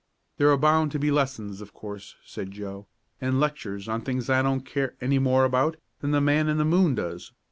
"There are bound to be lessons, of course," said Joe. "And lectures on things I don't care any more about than the man in the moon does.